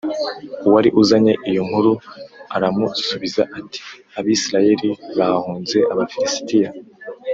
Uwari uzanye iyo nkuru aramusubiza ati Abisirayeli bahunze Abafilisitiya